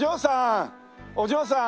お嬢さん！